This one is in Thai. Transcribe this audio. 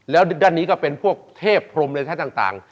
แล้วด้านนี้ก็เป็นพวกเทพพรหมในชั้นต่าง